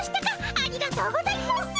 ありがとうございます！